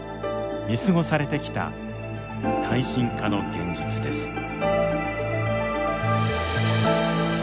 見過ごされてきた耐震化の現実です。